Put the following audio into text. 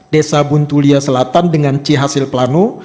desa buntulia selatan dengan c hasil pelanu